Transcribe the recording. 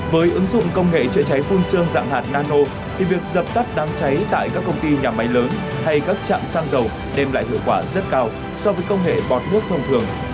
với ứng dụng công nghệ chữa cháy phun xương dạng hạt nano thì việc dập tắt đám cháy tại các công ty nhà máy lớn hay các chạm xăng dầu đem lại hiệu quả rất cao so với công nghệ bọt nước thông thường